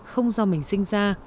không do mình sinh ra